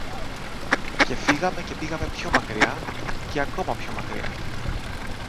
και φύγαμε και πήγαμε πιο μακριά, και ακόμα πιο μακριά